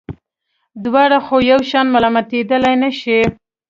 دواړه خو یو شان ملامتېدلای نه شي.